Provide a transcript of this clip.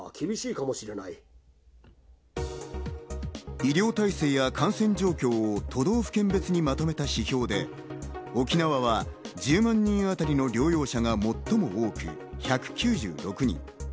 医療体制や感染状況を都道府県別にまとめた指標で、沖縄は１０万人当たりの療養者が最も多く、１９６人。